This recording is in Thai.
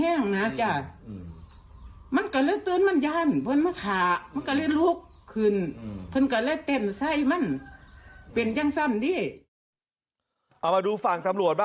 เอามาดูฟังตำรวจ